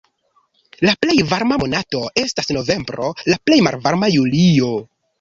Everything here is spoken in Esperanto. La plej varma monato estas novembro, la plej malvarma julio.